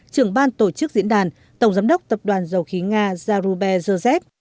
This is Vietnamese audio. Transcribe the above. trưởng ban tổ chức diễn đàn tổng giám đốc tập đoàn dầu khí nga zarubezhev